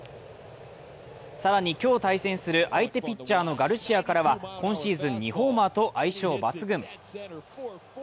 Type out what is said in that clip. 更に、今日対戦する相手ピッチャーのガルシアからは今シーズン２ホーマーと相性抜群。